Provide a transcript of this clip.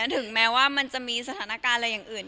ถึงแม้ว่ามันจะมีสถานการณ์อะไรอย่างอื่น